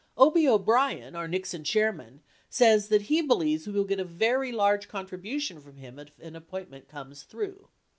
Obie O'Brien, our Nixon chairman, says that he believes we will get a very large contribution from him if an appointment comes through.